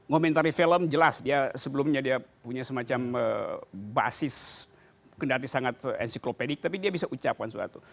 komentari film jelas dia sebelumnya dia punya semacam basis kendali sangat enciklopedik tapi dia bisa ucapkan suatu